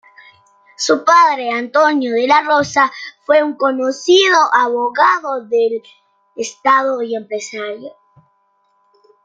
Su padre, Antonio de la Rosa, fue un conocido abogado del Estado y empresario.